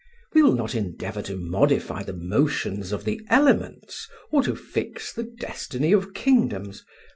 We will not endeavour to modify the motions of the elements or to fix the destiny of kingdoms.